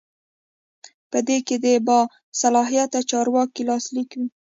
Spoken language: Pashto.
په دې کې د باصلاحیته چارواکي لاسلیک وي.